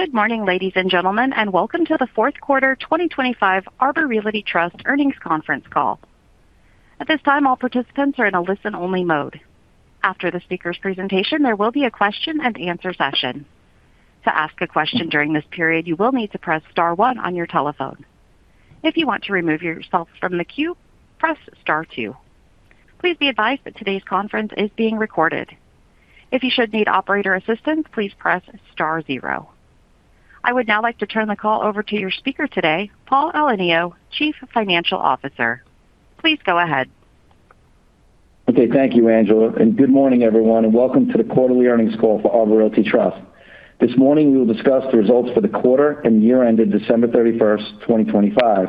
Good morning, ladies and gentlemen, and welcome to the fourth quarter 2025 Arbor Realty Trust Earnings Conference Call. At this time, all participants are in a listen-only mode. After the speaker's presentation, there will be a question and answer session. To ask a question during this period, you will need to press star 1 on your telephone. If you want to remove yourself from the queue, press star 2. Please be advised that today's conference is being recorded. If you should need operator assistance, please press star 0. I would now like to turn the call over to your speaker today, Paul Elenio, Chief Financial Officer. Please go ahead. Thank you, Angela, good morning, everyone, welcome to the quarterly earnings call for Arbor Realty Trust. This morning, we will discuss the results for the quarter and year ended December 31st, 2025.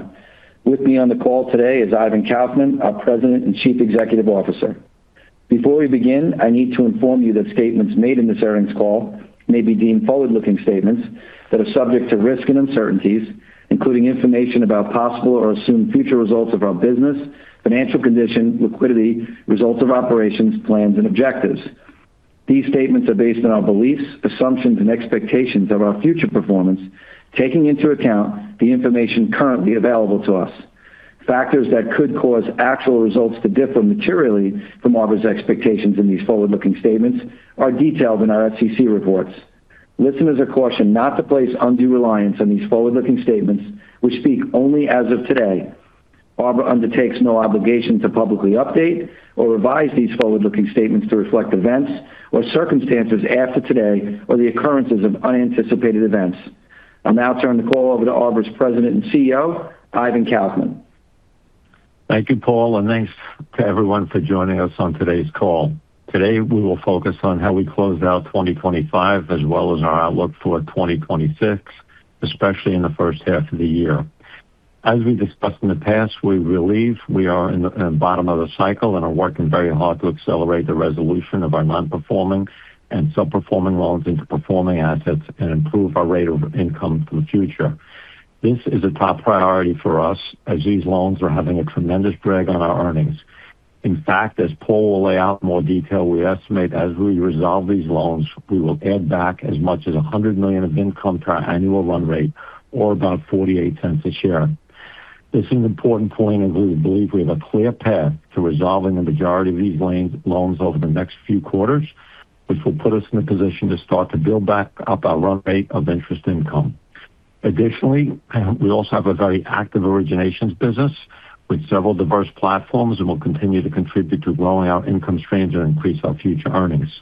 With me on the call today is Ivan Kaufman, our President and Chief Executive Officer. Before we begin, I need to inform you that statements made in this earnings call may be deemed forward-looking statements that are subject to risk and uncertainties, including information about possible or assumed future results of our business, financial condition, liquidity, results of operations, plans, and objectives. These statements are based on our beliefs, assumptions, and expectations of our future performance, taking into account the information currently available to us. Factors that could cause actual results to differ materially from Arbor's expectations in these forward-looking statements are detailed in our SEC reports. Listeners are cautioned not to place undue reliance on these forward-looking statements, which speak only as of today. Arbor undertakes no obligation to publicly update or revise these forward-looking statements to reflect events or circumstances after today or the occurrences of unanticipated events. I'll now turn the call over to Arbor's President and CEO, Ivan Kaufman. Thank you, Paul, and thanks to everyone for joining us on today's call. Today, we will focus on how we closed out 2025, as well as our outlook for 2026, especially in the first half of the year. As we discussed in the past, we believe we are in the bottom of the cycle and are working very hard to accelerate the resolution of our non-performing and sub-performing loans into performing assets and improve our rate of income for the future. This is a top priority for us as these loans are having a tremendous drag on our earnings. In fact, as Paul will lay out in more detail, we estimate as we resolve these loans, we will add back as much as $100 million of income to our annual run rate, or about $0.48 a share. This is an important point. We believe we have a clear path to resolving the majority of these loans over the next few quarters, which will put us in a position to start to build back up our run rate of interest income. We also have a very active originations business with several diverse platforms and will continue to contribute to growing our income streams and increase our future earnings.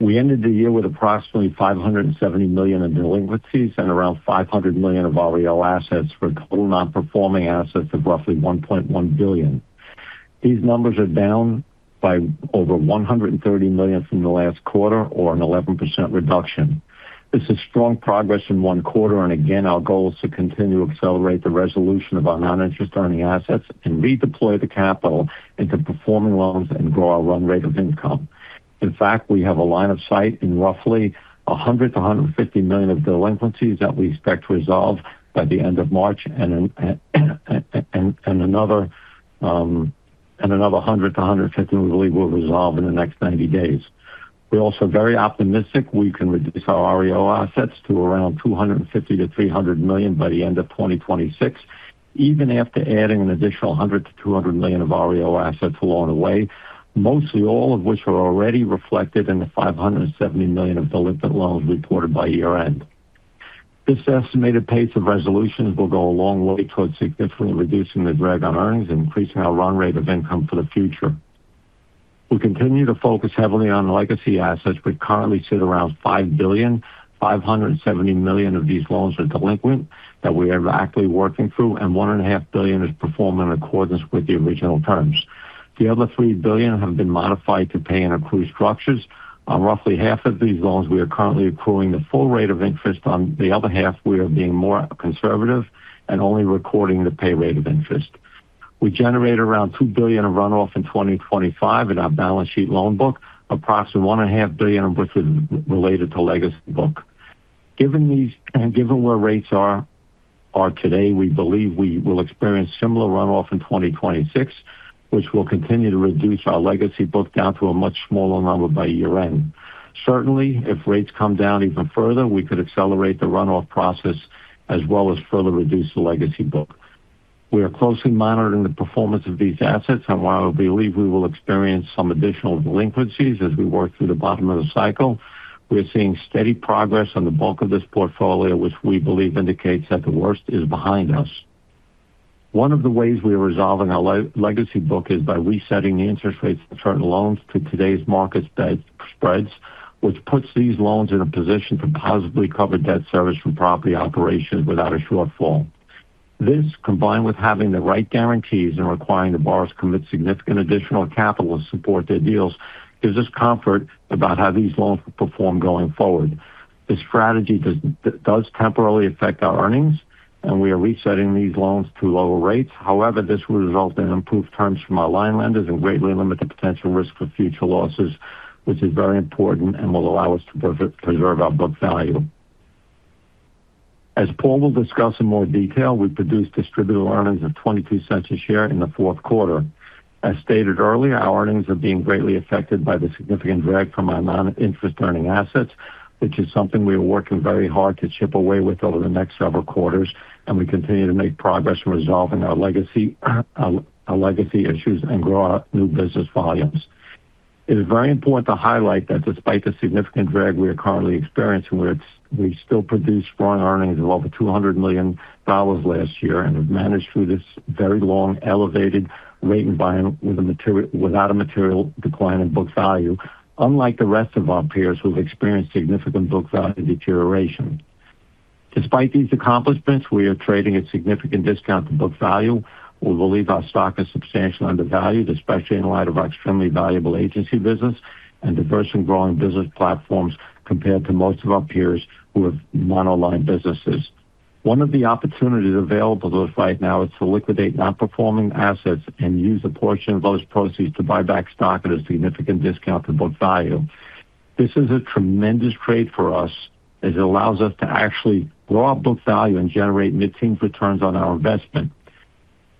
We ended the year with approximately $570 million in delinquencies and around $500 million of REO assets for total non-performing assets of roughly $1.1 billion. These numbers are down by over $130 million from the last quarter or an 11% reduction. This is strong progress in 1 quarter, again, our goal is to continue to accelerate the resolution of our non-interest earning assets and redeploy the capital into performing loans and grow our run rate of income. In fact, we have a line of sight in roughly $100 million-$150 million of delinquencies that we expect to resolve by the end of March and another $100 million-$150 million we believe will resolve in the next 90 days. We're also very optimistic we can reduce our REO assets to around $250 million-$300 million by the end of 2026, even after adding an additional $100 million-$200 million of REO assets along the way, mostly all of which are already reflected in the $570 million of delinquent loans reported by year-end. This estimated pace of resolutions will go a long way towards significantly reducing the drag on earnings and increasing our run rate of income for the future. We continue to focus heavily on legacy assets, which currently sit around $5 billion. $570 million of these loans are delinquent that we are actively working through, and one and a half billion is performed in accordance with the original terms. The other $3 billion have been modified to pay and accrue structures. On roughly half of these loans, we are currently accruing the full rate of interest. On the other half, we are being more conservative and only recording the pay rate of interest. We generated around $2 billion of runoff in 2025 in our balance sheet loan book, approximately $1.5 billion of which is related to legacy book. Given these, and given where rates are today, we believe we will experience similar runoff in 2026, which will continue to reduce our legacy book down to a much smaller number by year-end. Certainly, if rates come down even further, we could accelerate the runoff process as well as further reduce the legacy book. We are closely monitoring the performance of these assets, and while we believe we will experience some additional delinquencies as we work through the bottom of the cycle, we are seeing steady progress on the bulk of this portfolio, which we believe indicates that the worst is behind us. One of the ways we are resolving our legacy book is by resetting the interest rates for current loans to today's market spreads, which puts these loans in a position to positively cover debt service from property operations without a shortfall. This, combined with having the right guarantees and requiring the borrowers commit significant additional capital to support their deals, gives us comfort about how these loans will perform going forward. This strategy does temporarily affect our earnings, and we are resetting these loans to lower rates. This will result in improved terms from our line lenders and greatly limit the potential risk for future losses, which is very important and will allow us to preserve our book value. As Paul will discuss in more detail, we produced distributable earnings of $0.22 a share in the fourth quarter. As stated earlier, our earnings are being greatly affected by the significant drag from our non-interest earning assets, which is something we are working very hard to chip away with over the next several quarters, and we continue to make progress in resolving our legacy issues and grow our new business volumes. It is very important to highlight that despite the significant drag we are currently experiencing, which we still produced strong earnings of over $200 million last year and have managed through this very long, elevated rate environment without a material decline in book value, unlike the rest of our peers who have experienced significant book value deterioration. Despite these accomplishments, we are trading at significant discount to book value. We believe our stock is substantially undervalued, especially in light of our extremely valuable agency business and diverse and growing business platforms, compared to most of our peers who have monoline businesses. One of the opportunities available to us right now is to liquidate non-performing assets and use a portion of those proceeds to buy back stock at a significant discount to book value. This is a tremendous trade for us, as it allows us to actually grow our book value and generate mid-teens returns on our investment.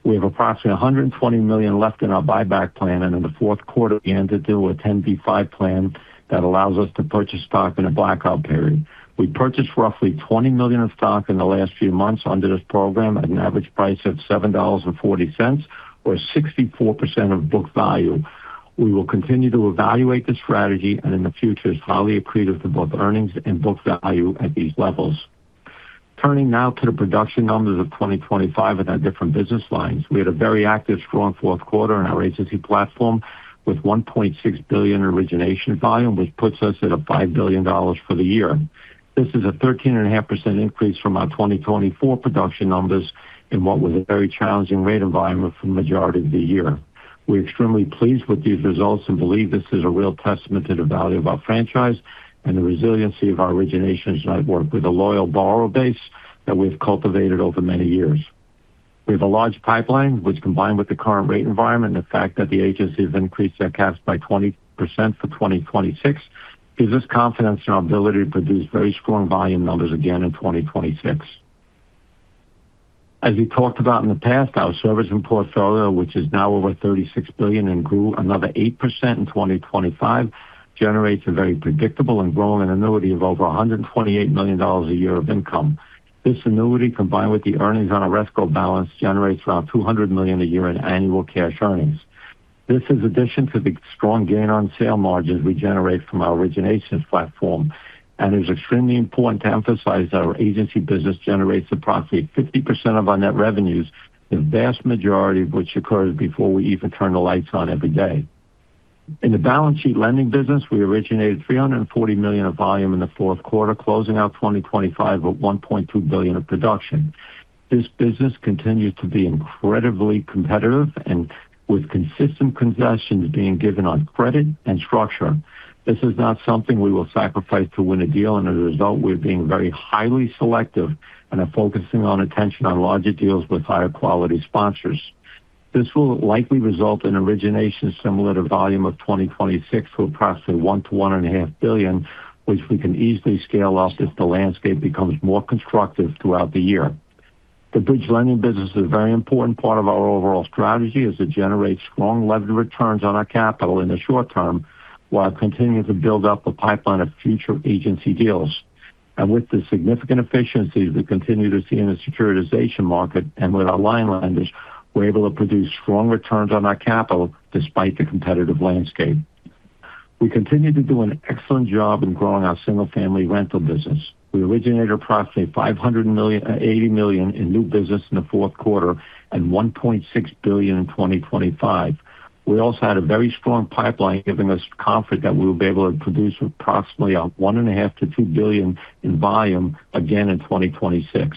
We have approximately $120 million left in our buyback plan, and in the fourth quarter, we entered into a 10b5-1 plan that allows us to purchase stock in a blackout period. We purchased roughly $20 million of stock in the last few months under this program at an average price of $7.40 or 64% of book value. We will continue to evaluate this strategy, and in the future, it's highly accretive to both earnings and book value at these levels. Turning now to the production numbers of 2025 and our different business lines. We had a very active, strong fourth quarter in our agency platform with $1.6 billion origination volume, which puts us at $5 billion for the year. This is a 13.5% increase from our 2024 production numbers in what was a very challenging rate environment for the majority of the year. We're extremely pleased with these results and believe this is a real testament to the value of our franchise and the resiliency of our origination network with a loyal borrower base that we've cultivated over many years. We have a large pipeline, which, combined with the current rate environment and the fact that the agencies have increased their caps by 20% for 2026, gives us confidence in our ability to produce very strong volume numbers again in 2026. As we talked about in the past, our servicing portfolio, which is now over $36 billion and grew another 8% in 2025, generates a very predictable and growing annuity of over $128 million a year of income. This annuity, combined with the earnings on our REO balance, generates around $200 million a year in annual cash earnings. This is addition to the strong gain on sale margins we generate from our origination platform. It is extremely important to emphasize that our agency business generates approximately 50% of our net revenues, the vast majority of which occurs before we even turn the lights on every day. In the balance sheet lending business, we originated $340 million of volume in the fourth quarter, closing out 2025 at $1.2 billion of production. This business continues to be incredibly competitive and with consistent concessions being given on credit and structure. This is not something we will sacrifice to win a deal, and as a result, we're being very highly selective and are focusing our attention on larger deals with higher quality sponsors. This will likely result in origination similar to volume of 2026 to approximately $1 billion-$1.5 billion, which we can easily scale up if the landscape becomes more constructive throughout the year. The bridge lending business is a very important part of our overall strategy as it generates strong levered returns on our capital in the short term, while continuing to build up a pipeline of future agency deals. With the significant efficiencies we continue to see in the securitization market and with our line lenders, we're able to produce strong returns on our capital despite the competitive landscape. We continue to do an excellent job in growing our single-family rental business. We originated approximately $580 million in new business in the fourth quarter and $1.6 billion in 2025. We also had a very strong pipeline, giving us confidence that we will be able to produce approximately $1.5 billion-$2 billion in volume again in 2026.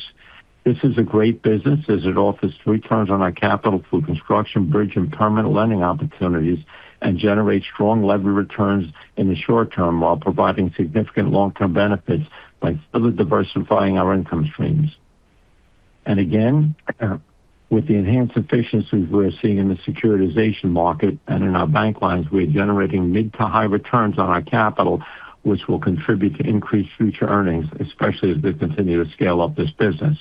This is a great business as it offers returns on our capital through construction, bridge, and permanent lending opportunities and generates strong levered returns in the short term while providing significant long-term benefits by further diversifying our income streams. Again, with the enhanced efficiencies we're seeing in the securitization market and in our bank lines, we're generating mid to high returns on our capital, which will contribute to increased future earnings, especially as we continue to scale up this business.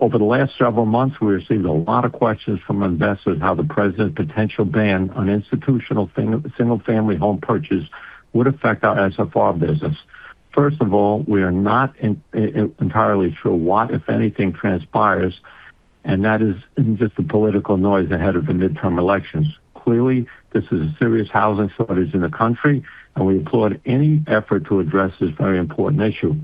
Over the last several months, we've received a lot of questions from investors how the president's potential ban on institutional single-family home purchase would affect our SFR business. First of all, we are not entirely sure what, if anything, transpires, and that is just the political noise ahead of the midterm elections. Clearly, this is a serious housing shortage in the country, and we applaud any effort to address this very important issue.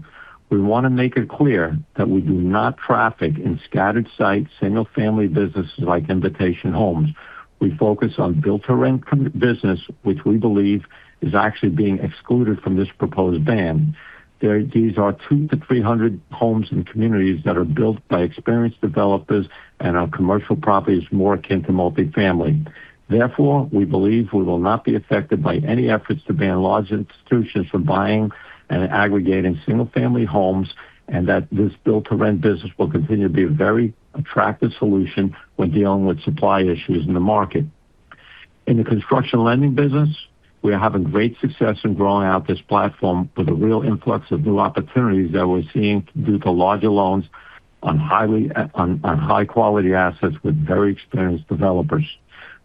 We want to make it clear that we do not traffic in scattered site, single-family businesses like Invitation Homes. We focus on build-to-rent business, which we believe is actually being excluded from this proposed ban. These are 200-300 homes and communities that are built by experienced developers and are commercial properties more akin to multifamily. We believe we will not be affected by any efforts to ban large institutions from buying and aggregating single-family homes, and that this build-to-rent business will continue to be a very attractive solution when dealing with supply issues in the market. In the construction lending business, we are having great success in growing out this platform with a real influx of new opportunities that we're seeing due to larger loans on highly on high-quality assets with very experienced developers.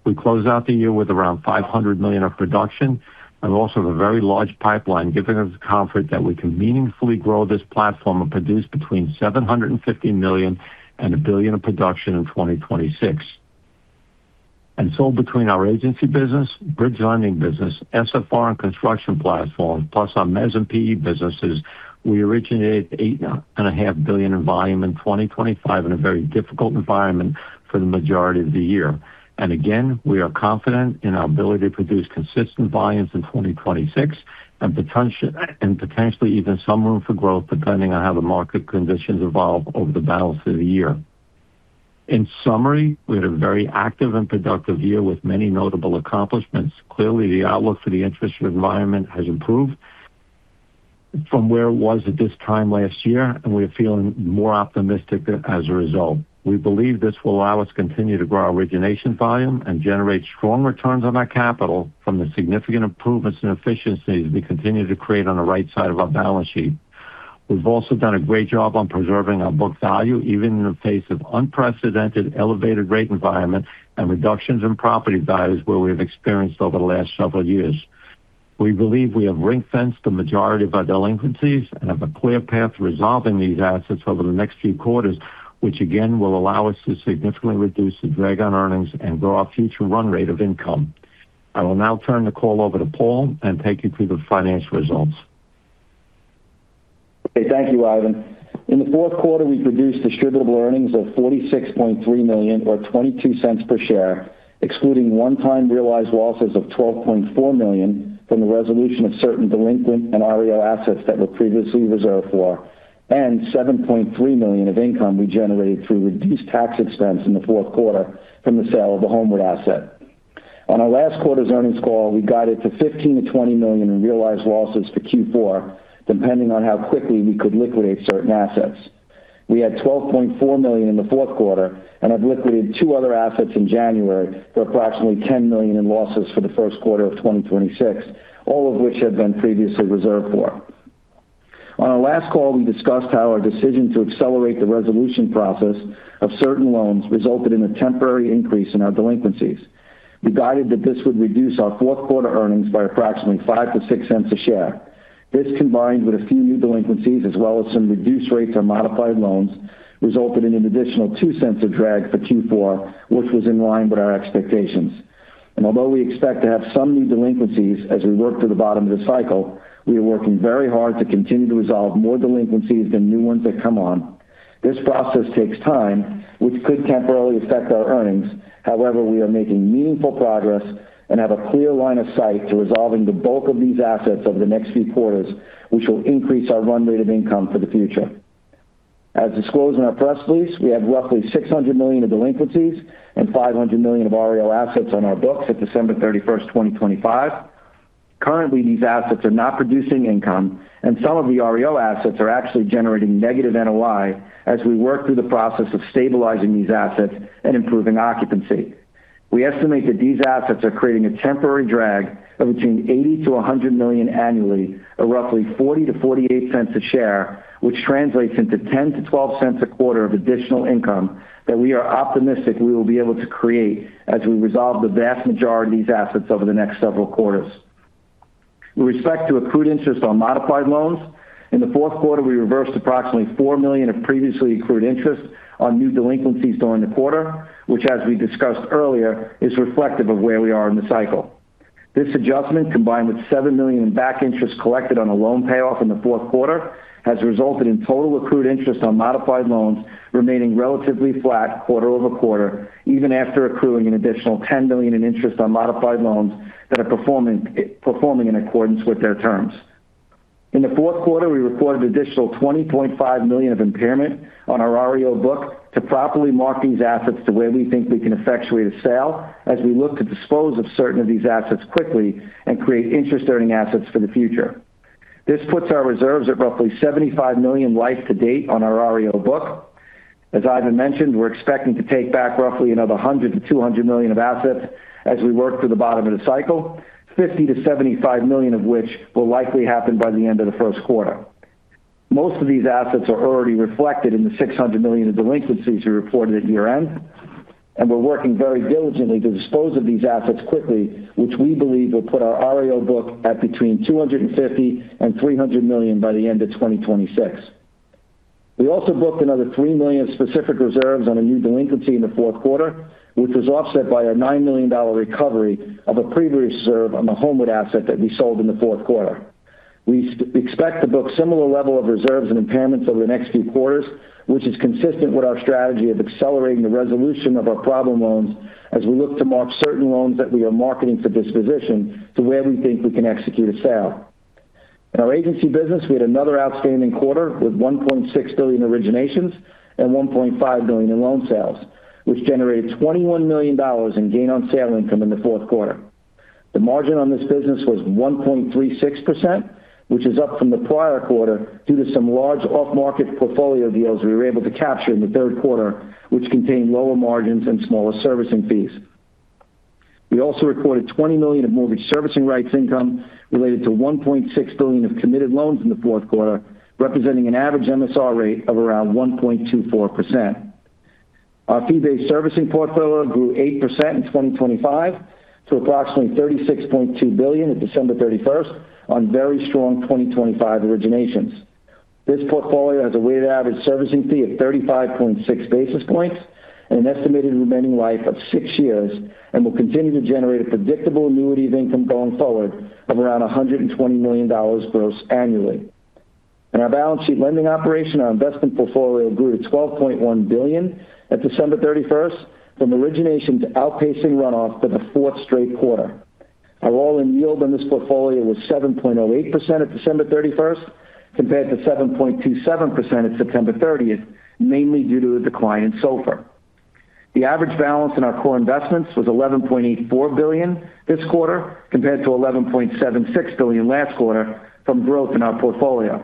We closed out the year with around $500 million of production and also have a very large pipeline, giving us confidence that we can meaningfully grow this platform and produce between $750 million and $1 billion in production in 2026. Between our agency business, bridge lending business, SFR, and construction platform, plus our mezz and PE businesses, we originated $8.5 billion in volume in 2025 in a very difficult environment for the majority of the year. Again, we are confident in our ability to produce consistent volumes in 2026 and potentially even some room for growth, depending on how the market conditions evolve over the balance of the year. In summary, we had a very active and productive year with many notable accomplishments. Clearly, the outlook for the interest rate environment has improved from where it was at this time last year, and we are feeling more optimistic as a result. We believe this will allow us to continue to grow our origination volume and generate strong returns on our capital from the significant improvements in efficiency we continue to create on the right side of our balance sheet. We've also done a great job on preserving our book value, even in the face of unprecedented elevated rate environment and reductions in property values where we have experienced over the last several years. We believe we have ring-fenced the majority of our delinquencies and have a clear path to resolving these assets over the next few quarters, which again, will allow us to significantly reduce the drag on earnings and grow our future run rate of income. I will now turn the call over to Paul and take you through the financial results. Okay, thank you, Ivan. In the fourth quarter, we produced distributable earnings of $46.3 million or $0.22 per share, excluding one-time realized losses of $12.4 million from the resolution of certain delinquent and REO assets that were previously reserved for, and $7.3 million of income we generated through reduced tax expense in the fourth quarter from the sale of the Homewood asset. On our last quarter's earnings call, we guided to $15 million-$20 million in realized losses for Q4, depending on how quickly we could liquidate certain assets. We had $12.4 million in the fourth quarter and have liquidated two other assets in January for approximately $10 million in losses for the first quarter of 2026, all of which had been previously reserved for. On our last call, we discussed how our decision to accelerate the resolution process of certain loans resulted in a temporary increase in our delinquencies. We guided that this would reduce our fourth quarter earnings by approximately $0.05-$0.06 a share. This, combined with a few new delinquencies as well as some reduced rates on modified loans, resulted in an additional $0.02 of drag for Q4, which was in line with our expectations. Although we expect to have some new delinquencies as we work through the bottom of the cycle, we are working very hard to continue to resolve more delinquencies than new ones that come on. This process takes time, which could temporarily affect our earnings. We are making meaningful progress and have a clear line of sight to resolving the bulk of these assets over the next few quarters, which will increase our run rate of income for the future. As disclosed in our press release, we have roughly $600 million of delinquencies and $500 million of REO assets on our books at December 31st, 2025. Currently, these assets are not producing income, and some of the REO assets are actually generating negative NOI as we work through the process of stabilizing these assets and improving occupancy. We estimate that these assets are creating a temporary drag of between $80 million-$100 million annually, or roughly $0.40-$0.48 a share, which translates into $0.10-$0.12 a quarter of additional income that we are optimistic we will be able to create as we resolve the vast majority of these assets over the next several quarters. With respect to accrued interest on modified loans, in the fourth quarter, we reversed approximately $4 million of previously accrued interest on new delinquencies during the quarter, which, as we discussed earlier, is reflective of where we are in the cycle. This adjustment, combined with $7 million in back interest collected on a loan payoff in the fourth quarter, has resulted in total accrued interest on modified loans remaining relatively flat quarter-over-quarter, even after accruing an additional $10 million in interest on modified loans that are performing in accordance with their terms. In the fourth quarter, we reported an additional $20.5 million of impairment on our REO book to properly mark these assets to where we think we can effectuate a sale as we look to dispose of certain of these assets quickly and create interest-earning assets for the future. This puts our reserves at roughly $75 million life to date on our REO book. As Ivan mentioned, we're expecting to take back roughly another $100 million-$200 million of assets as we work through the bottom of the cycle, $50 million-$75 million of which will likely happen by the end of the first quarter. Most of these assets are already reflected in the $600 million of delinquencies we reported at year-end, and we're working very diligently to dispose of these assets quickly, which we believe will put our REO book at between $250 million and $300 million by the end of 2026. We also booked another $3 million specific reserves on a new delinquency in the fourth quarter, which was offset by a $9 million recovery of a previous reserve on the Homewood asset that we sold in the fourth quarter. We expect to book similar level of reserves and impairments over the next few quarters, which is consistent with our strategy of accelerating the resolution of our problem loans as we look to mark certain loans that we are marketing for disposition to where we think we can execute a sale. In our agency business, we had another outstanding quarter with $1.6 billion originations and $1.5 billion in loan sales, which generated $21 million in gain on sale income in the fourth quarter. The margin on this business was 1.36%, which is up from the prior quarter due to some large off-market portfolio deals we were able to capture in the third quarter, which contained lower margins and smaller servicing fees. We also recorded $20 million of mortgage servicing rights income related to $1.6 billion of committed loans in the fourth quarter, representing an average MSR rate of around 1.24%. Our fee-based servicing portfolio grew 8% in 2025 to approximately $36.2 billion at December 31st on very strong 2025 originations. This portfolio has a weighted average servicing fee of 35.6 basis points and an estimated remaining life of six years and will continue to generate a predictable annuity of income going forward of around $120 million gross annually. In our balance sheet lending operation, our investment portfolio grew to $12.1 billion at December 31st, from originations outpacing runoff for the fourth straight quarter. Our all-in yield on this portfolio was 7.08% at December 31st, compared to 7.27% at September 30th, mainly due to a decline in SOFR. The average balance in our core investments was $11.84 billion this quarter, compared to $11.76 billion last quarter from growth in our portfolio.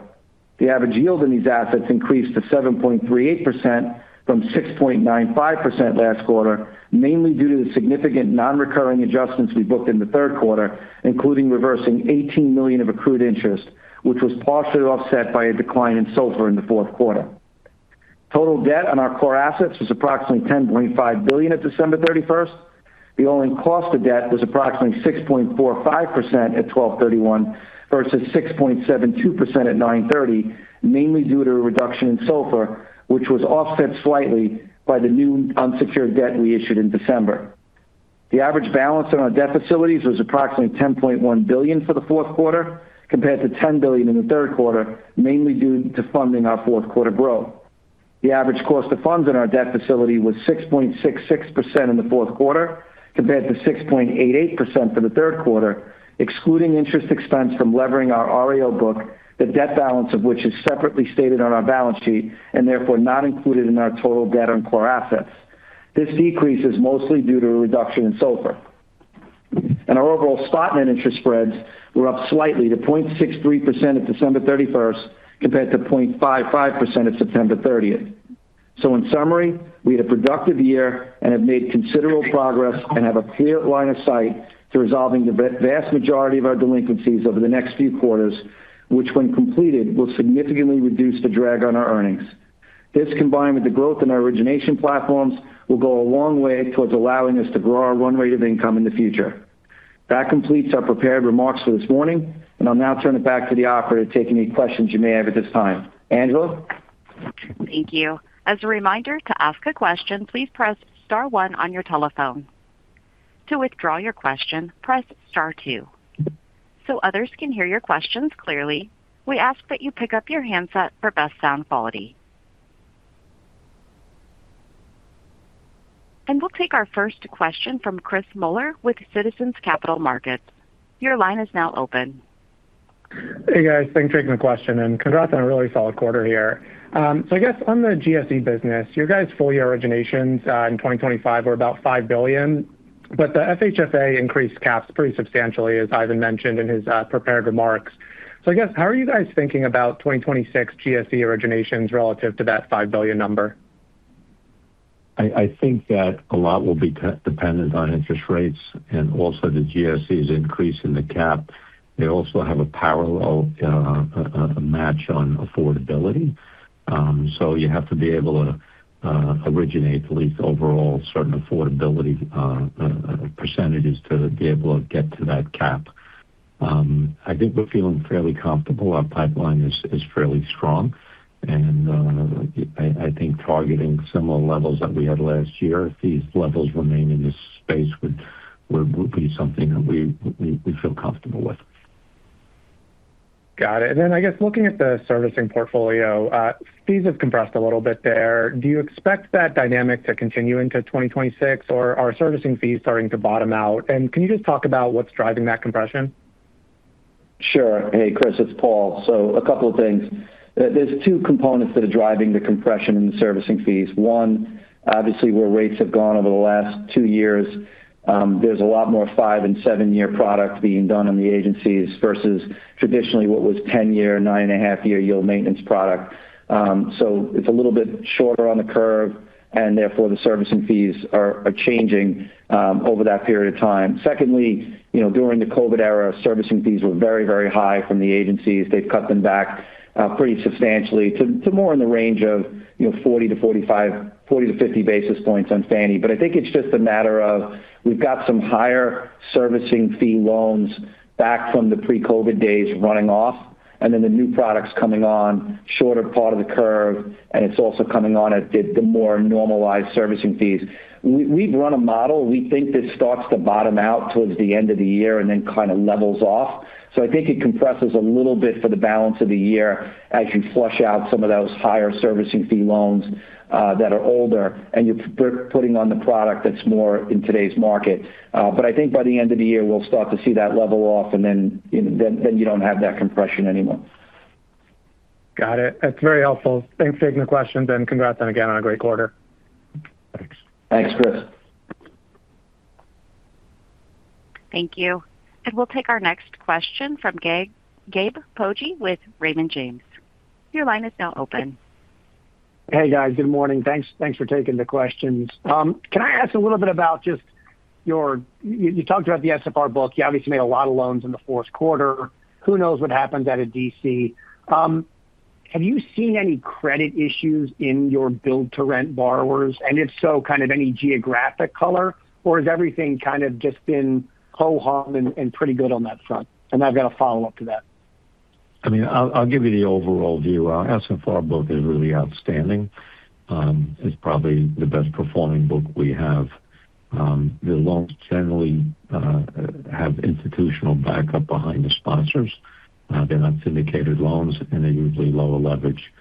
The average yield in these assets increased to 7.38% from 6.95% last quarter, mainly due to the significant non-recurring adjustments we booked in the third quarter, including reversing $18 million of accrued interest, which was partially offset by a decline in SOFR in the fourth quarter. Total debt on our core assets was approximately $10.5 billion at December 31st. The all-in cost of debt was approximately 6.45% at 12/31, versus 6.72% at 9/30, mainly due to a reduction in SOFR, which was offset slightly by the new unsecured debt we issued in December. The average balance on our debt facilities was approximately $10.1 billion for the fourth quarter, compared to $10 billion in the third quarter, mainly due to funding our fourth quarter growth. The average cost of funds in our debt facility was 6.66% in the fourth quarter, compared to 6.88% for the third quarter, excluding interest expense from levering our REO book, the debt balance of which is separately stated on our balance sheet and therefore not included in our total debt on core assets. This decrease is mostly due to a reduction in SOFR. Our overall spot net interest spreads were up slightly to 0.63% at December 31st, compared to 0.55% at September 30th. In summary, we had a productive year and have made considerable progress and have a clear line of sight to resolving the vast majority of our delinquencies over the next few quarters, which, when completed, will significantly reduce the drag on our earnings. This, combined with the growth in our origination platforms, will go a long way towards allowing us to grow our run rate of income in the future. That completes our prepared remarks for this morning, and I'll now turn it back to the operator to take any questions you may have at this time. Angela? Thank you. As a reminder, to ask a question, please press star one on your telephone. To withdraw your question, press star two. Others can hear your questions clearly, we ask that you pick up your handset for best sound quality. We'll take our first question from Chris Miller with Citizens Capital Market. Your line is now open. Hey, guys. Thanks for taking the question and congrats on a really solid quarter here. On the GSE business, your guys' full year originations in 2025 were about $5 billion, but the FHFA increased caps pretty substantially, as Ivan mentioned in his prepared remarks. How are you guys thinking about 2026 GSE originations relative to that $5 billion number? I think that a lot will be dependent on interest rates and also the GSE's increase in the cap. They also have a parallel match on affordability. You have to be able to originate at least overall certain affordability percentages to be able to get to that cap. I think we're feeling fairly comfortable. Our pipeline is fairly strong, and I think targeting similar levels that we had last year, if these levels remain in this space, would be something that we feel comfortable with. Got it. I guess looking at the servicing portfolio, fees have compressed a little bit there. Do you expect that dynamic to continue into 2026, or are servicing fees starting to bottom out? Can you just talk about what's driving that compression? Sure. Hey, Chris, it's Paul. A couple of things. There's 2 components that are driving the compression in the servicing fees. One, obviously, where rates have gone over the last 2 years. There's a lot more 5- and 7-year product being done in the agencies versus traditionally, what was 10-year, 9.5-year yield maintenance product. It's a little bit shorter on the curve, and therefore, the servicing fees are changing over that period of time. Secondly, you know, during the COVID era, servicing fees were very, very high from the agencies. They've cut them back pretty substantially to more in the range of, you know, 40-45, 40-50 basis points on Fannie. I think it's just a matter of we've got some higher servicing fee loans back from the pre-COVID days running off, and then the new products coming on, shorter part of the curve, and it's also coming on at the more normalized servicing fees. We've run a model. We think this starts to bottom out towards the end of the year and then kind of levels off. I think it compresses a little bit for the balance of the year as you flush out some of those higher servicing fee loans that are older, and you're putting on the product that's more in today's market. I think by the end of the year, we'll start to see that level off, and then, you know, then you don't have that compression anymore. Got it. That's very helpful. Thanks for taking the questions, and congrats again on a great quarter. Thanks, Chris. Thank you. We'll take our next question from Gabe Poggi with Raymond James. Your line is now open. Hey, guys. Good morning. Thanks for taking the questions. Can I ask a little bit about just you talked about the SFR book. You obviously made a lot of loans in the fourth quarter. Who knows what happens at a D.C.? Have you seen any credit issues in your build-to-rent borrowers? If so, kind of any geographic color, or is everything kind of just been ho-ha and pretty good on that front? I've got a follow-up to that. I mean, I'll give you the overall view. Our SFR book is really outstanding. It's probably the best performing book we have. The loans generally have institutional backup behind the sponsors. They're not syndicated loans, and they're usually lower leverage.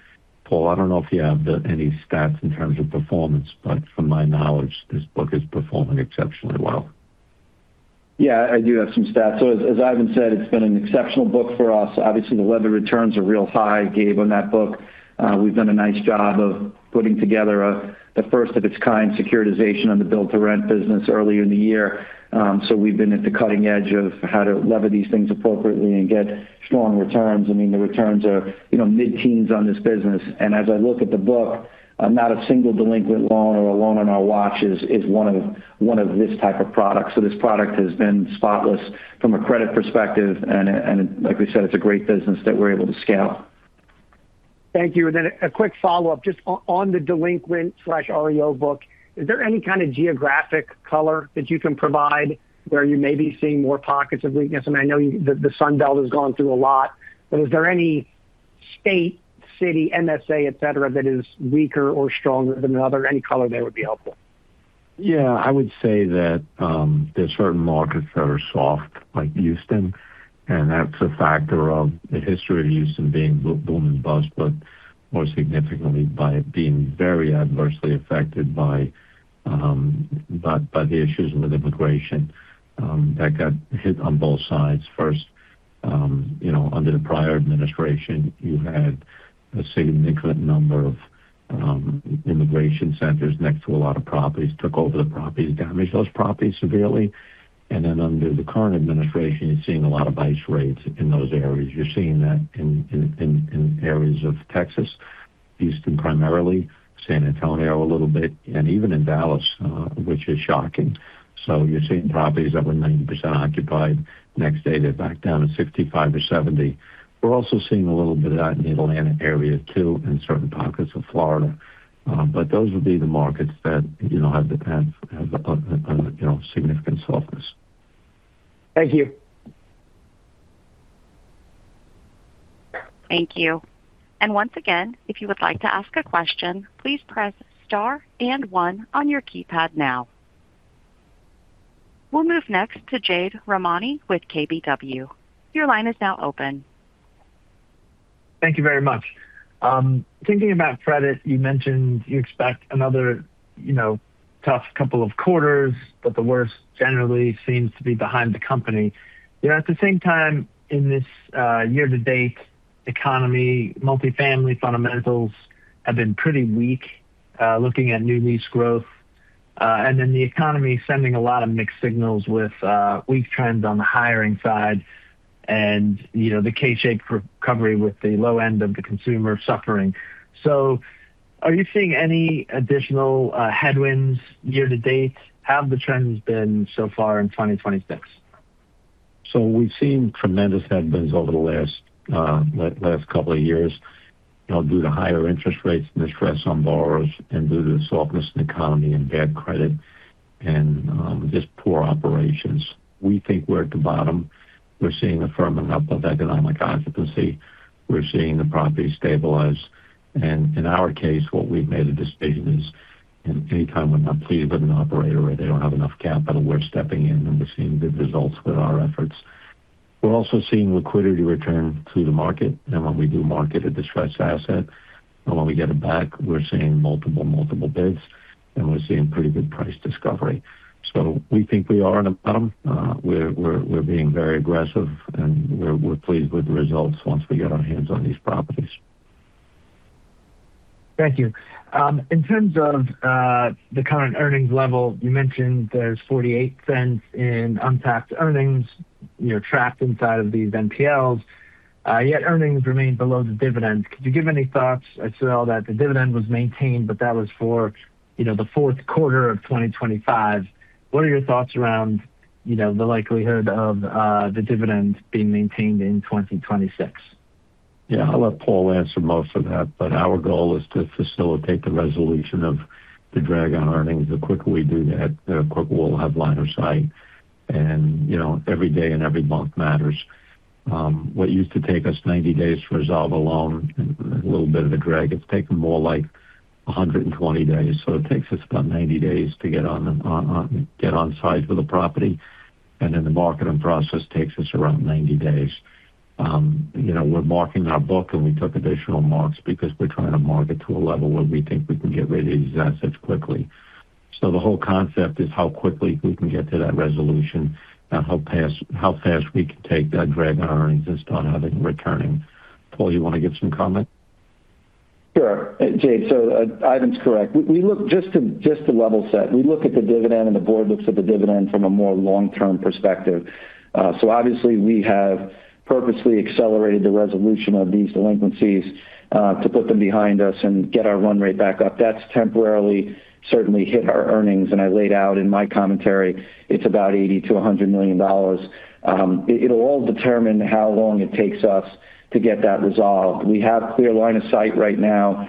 Paul, I don't know if you have the, any stats in terms of performance, but from my knowledge, this book is performing exceptionally well. Yeah, I do have some stats. As Ivan said, it's been an exceptional book for us. Obviously, the lever returns are real high, Gabe, on that book. We've done a nice job of putting together a, the first of its kind securitization on the build-to-rent business earlier in the year. We've been at the cutting edge of how to lever these things appropriately and get strong returns. I mean, the returns are, you know, mid-teens on this business. As I look at the book, not a single delinquent loan or a loan on our watch is one of this type of product. This product has been spotless from a credit perspective, and like we said, it's a great business that we're able to scale. Thank you. Then a quick follow-up, just on the delinquent/REO book, is there any kind of geographic color that you can provide where you may be seeing more pockets of weakness? I mean, I know the Sun Belt has gone through a lot, but is there any state, city, MSA, et cetera, that is weaker or stronger than another? Any color there would be helpful. Yeah, I would say that there are certain markets that are soft, like Houston, and that's a factor of the history of Houston being boom and bust, but more significantly, by it being very adversely affected by the issues with immigration. That got hit on both sides. First, you know, under the prior administration, you had a significant number of immigration centers next to a lot of properties, took over the properties, damaged those properties severely. Then under the current administration, you're seeing a lot of ICE rates in those areas. You're seeing that in areas of Texas, Houston, primarily, San Antonio a little bit, and even in Dallas, which is shocking. You're seeing properties that were 90% occupied, next day, they're back down to 65% or 70%. We're also seeing a little bit of that in the Atlanta area, too, in certain pockets of Florida. Those would be the markets that, you know, have the, you know, significant softness. Thank you. Thank you. Once again, if you would like to ask a question, please press star and one on your keypad now. We'll move next to Jade Rahmani with KBW. Your line is now open. Thank you very much. Thinking about credit, you mentioned you expect another, you know, tough couple of quarters, but the worst generally seems to be behind the company. At the same time, in this year-to-date economy, multifamily fundamentals have been pretty weak, looking at new lease growth, and then the economy sending a lot of mixed signals with weak trends on the hiring side and, you know, the K-shaped recovery with the low end of the consumer suffering. Are you seeing any additional headwinds year-to-date? How have the trends been so far in 2026? We've seen tremendous headwinds over the last last couple of years, you know, due to higher interest rates and the stress on borrowers and due to the softness in the economy and bad credit and just poor operations. We think we're at the bottom. We're seeing a firming up of economic occupancy. We're seeing the property stabilize. In our case, what we've made a decision is, anytime we're not pleased with an operator, or they don't have enough capital, we're stepping in, and we're seeing good results with our efforts. We're also seeing liquidity return to the market, and when we do market a distressed asset, and when we get it back, we're seeing multiple bids, and we're seeing pretty good price discovery. We think we are in a bottom. We're being very aggressive, and we're pleased with the results once we get our hands on these properties. Thank you. In terms of the current earnings level, you mentioned there's $0.48 in unpacked earnings, you know, trapped inside of these NPLs, yet earnings remain below the dividend. Could you give any thoughts as well, that the dividend was maintained, but that was for, you know, the fourth quarter of 2025? What are your thoughts around, you know, the likelihood of the dividend being maintained in 2026? Yeah, I'll let Paul answer most of that, but our goal is to facilitate the resolution of the drag on earnings. The quicker we do that, the quicker we'll have line of sight. You know, every day and every month matters. What used to take us 90 days to resolve a loan and a little bit of a drag, it's taking more like 120 days. It takes us about 90 days to get on site with a property, and then the marketing process takes us around 90 days. You know, we're marking our book, we took additional marks because we're trying to mark it to a level where we think we can get rid of these assets quickly. The whole concept is how quickly we can get to that resolution and how fast we can take that drag on our earnings and start having returning. Paul, you want to give some comment? Sure. Jade, Ivan's correct. We look just to level set. We look at the dividend, and the board looks at the dividend from a more long-term perspective. Obviously we have purposely accelerated the resolution of these delinquencies to put them behind us and get our run rate back up. That's temporarily certainly hit our earnings, and I laid out in my commentary it's about $80 million-$100 million. It'll all determine how long it takes us to get that resolved. We have clear line of sight right now.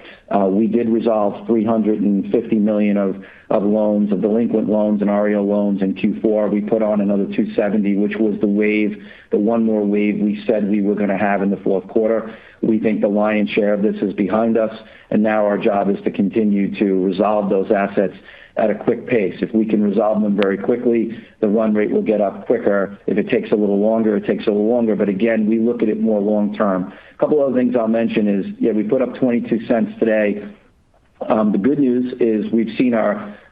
We did resolve $350 million of loans, of delinquent loans and REO loans in Q4. We put on another $270 million, which was the wave, the one more wave we said we were going to have in the fourth quarter. We think the lion's share of this is behind us. Now our job is to continue to resolve those assets at a quick pace. If we can resolve them very quickly, the run rate will get up quicker. If it takes a little longer, it takes a little longer, again, we look at it more long term. A couple other things I'll mention is, yeah, we put up $0.22 today. The good news is we've seen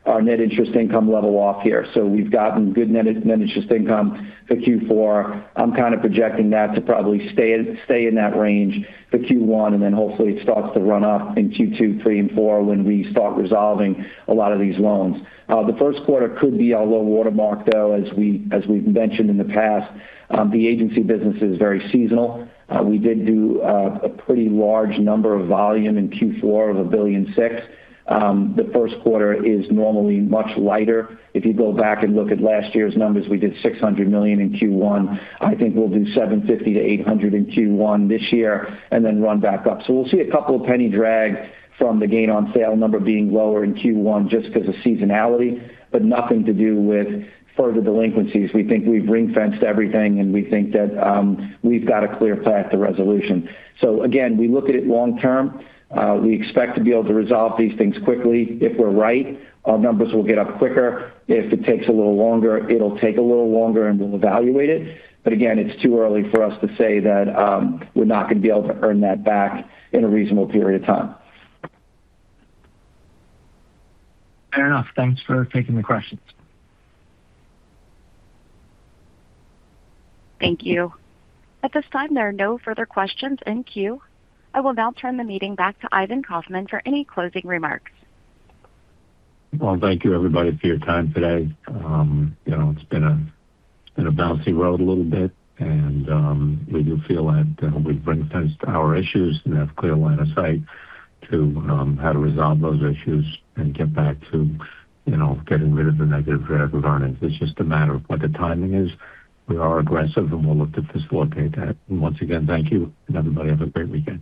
our net interest income level off here, so we've gotten good net interest income for Q4. I'm kind of projecting that to probably stay in that range for Q1, then hopefully it starts to run up in Q2, three, and four when we start resolving a lot of these loans. The first quarter could be our low watermark, though, as we've mentioned in the past. The agency business is very seasonal. We did do a pretty large number of volume in Q4 of $1.6 billion. The first quarter is normally much lighter. If you go back and look at last year's numbers, we did $600 million in Q1. I think we'll do $750 million-$800 million in Q1 this year and then run back up. We'll see a couple of penny drag from the gain on sale number being lower in Q1 just because of seasonality, but nothing to do with further delinquencies. We think we've ring-fenced everything, and we think that we've got a clear path to resolution. Again, we look at it long term. We expect to be able to resolve these things quickly. If we're right, our numbers will get up quicker. If it takes a little longer, it'll take a little longer, and we'll evaluate it. Again, it's too early for us to say that we're not going to be able to earn that back in a reasonable period of time. Fair enough. Thanks for taking the questions. Thank you. At this time, there are no further questions in queue. I will now turn the meeting back to Ivan Kaufman for any closing remarks. Well, thank you, everybody, for your time today. you know, it's been a bouncy road a little bit, and we do feel that we've ring-fenced our issues and have clear line of sight to how to resolve those issues and get back to, you know, getting rid of the negative drag on earnings. It's just a matter of what the timing is. We are aggressive, and we'll look to facilitate that. Once again, thank you, and everybody have a great weekend.